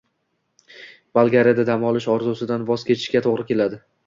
Bolgariyada dam olish orzusidan voz kechishga to‘g‘ri keladi